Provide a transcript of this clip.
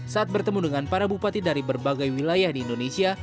saat bertemu dengan para bupati dari berbagai wilayah di indonesia